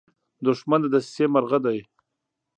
دښمن د دسیسې مرغه دی